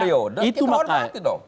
dua periode kita orang hati dong